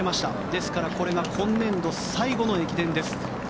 ですからこれが今年度最後の駅伝です。